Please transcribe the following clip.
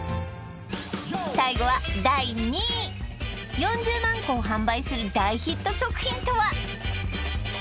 最後は第２位４０万個を販売する大ヒット食品とは？